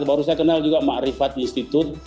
baru saya kenal juga mak rifat institut